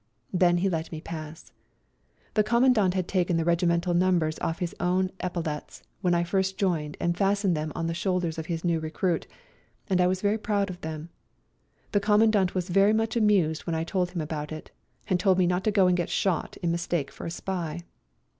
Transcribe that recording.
Then he let me pass. The Commandant had taken the regimental numbers off his own epaulettes when I first joined and fastened them on the shoulders of his new recruit, and I was very proud of them. The Commandant was very much amused when I told him about it, and told me not to go and get shot in mistake for a spy.